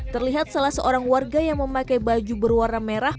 terlihat salah seorang warga yang memakai baju berwarna merah